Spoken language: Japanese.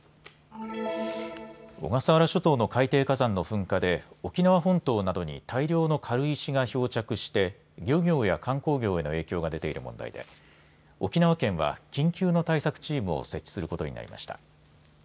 小笠原諸島の海底火山の噴火で沖縄本島などに大量の軽石が漂着して漁業や観光業への影響が出ている問題で沖縄県は緊急の対策チームを設置することになりました。